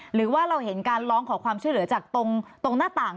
หรือว่าเราเห็นการร้องขอความช่วยเหลือจากตรงหน้าต่าง